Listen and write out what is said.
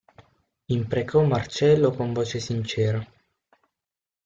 Imprecò Marcello con voce sincera.